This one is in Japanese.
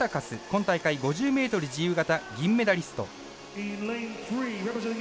今大会５０ｍ自由形銀メダリスト。